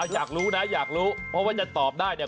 อยากรู้นะอยากรู้เพราะว่าจะตอบได้เนี่ย